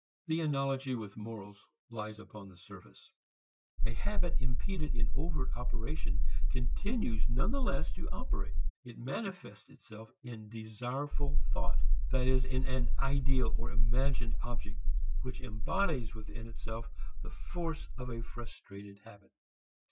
The analogy with morals lies upon the surface. A habit impeded in overt operation continues nonetheless to operate. It manifests itself in desireful thought, that is in an ideal or imagined object which embodies within itself the force of a frustrated habit.